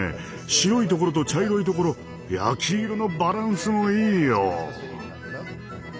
白いところと茶色いところ焼き色のバランスもいいよ。